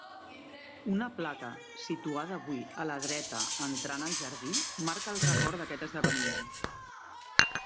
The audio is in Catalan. Una placa, situada avui a la dreta entrant al jardí, marca el record d'aquest esdeveniment.